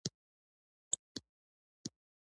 ورزش د بدن داخلي سیستم ته ګټه رسوي.